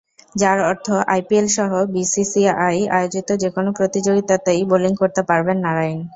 যার অর্থ আইপিএলসহ বিসিসিআই আয়োজিত যেকোনো প্রতিযোগিতাতেই বোলিং করতে পারবেন নারাইন।